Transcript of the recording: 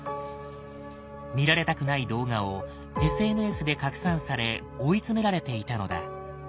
見られたくない動画をＳＮＳで拡散され追い詰められていたのだ。